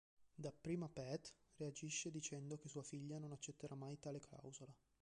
Dapprima Pat reagisce dicendo che sua figlia non accetterà mai tale clausola.